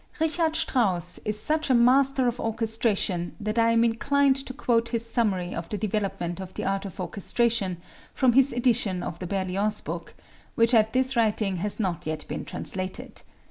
Richard Strauss is such a master of orchestration that I am inclined to quote his summary of the development of the art of orchestration, from his edition of the Berlioz book, which at this writing has not yet been translated.